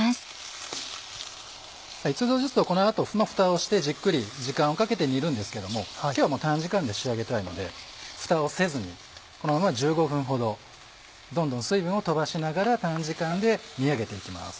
通常ですとこの後フタをしてじっくり時間をかけて煮るんですけども今日は短時間で仕上げたいのでフタをせずにこのまま１５分ほどどんどん水分を飛ばしながら短時間で煮上げて行きます。